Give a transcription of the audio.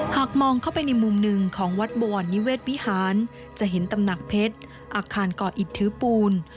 หากมองเข้าไปในมุมหนึ่งของวัดบวรนิเวศวิหารจะเห็นตำหนักเพชรอาคารก่ออิดถือปูน